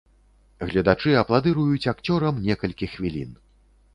Гледачы апладыруюць акцёрам некалькі хвілін.